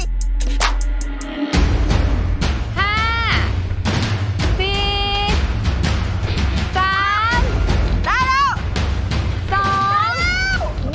ได้แล้ว